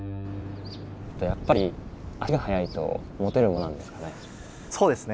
やっぱり足がはやいとモテるものなんですかね？